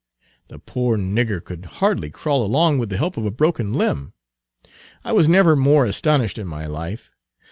The poor nigger could hardly crawl along, with the help of a broken limb. I was never more astonished in my life.